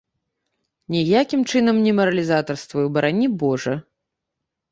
Ніякім чынам не маралізатарствую, барані божа.